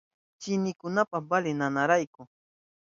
Chinikunapas valin nanarishkarayku.